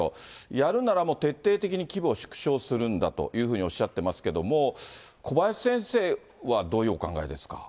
やるならもう、徹底的に規模を縮小するんだというふうにおっしゃってますけども、小林先生はどういうお考えですか。